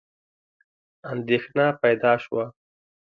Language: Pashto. اندېښنه پیدا شوه.